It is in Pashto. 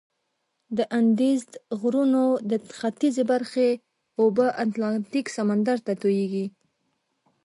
د اندیزد غرونو د ختیځي برخې اوبه اتلانتیک سمندر ته تویږي.